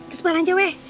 kesempatan aja weh